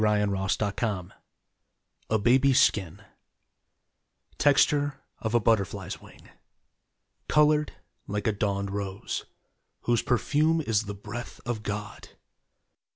DAY DREAMS A BABY'S SKIN Texture of a butterfly's wing, Colored like a dawned rose, Whose perfume is the breath of God.